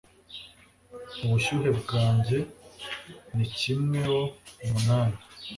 Ubushyuhe bwanjye ni kimweoumunani